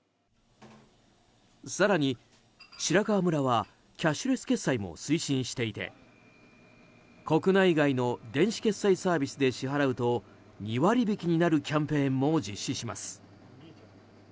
更に、白川村はキャッシュレス決済も推進していて、国内外の電子決済サービスで支払うと２割引きになるキャンペーンも実施します。